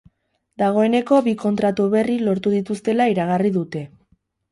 Dagoeneko bi kontratu berri lortu dituztela iragarri dute.